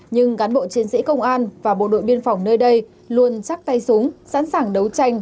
nhưng cán bộ chiến sĩ công an và bộ đội biên phòng nơi đây luôn chắc tay súng sẵn sàng đấu tranh